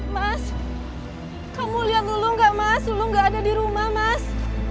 mas kamu lihat dulu enggak mas lu enggak ada di rumah mas